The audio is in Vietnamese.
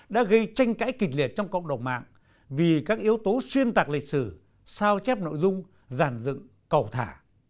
đã gây tranh cãi kịch liệt trong cộng đồng mạng vì các yếu tố xuyên tạc lịch sử sao chép nội dung giàn dựng cầu thả